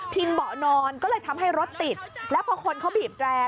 เบาะนอนก็เลยทำให้รถติดแล้วพอคนเขาบีบแรร์